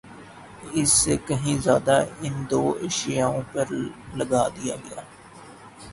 اس سے کہیں زیادہ ان دو عیاشیوں پہ لگا دیا گیا۔